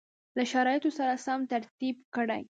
له شرایطو سره سم ترتیب کړي